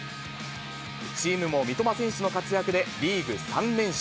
チームも三笘選手の活躍でリーグ３連勝。